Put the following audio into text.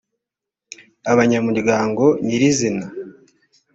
abanyamuryango nyir izina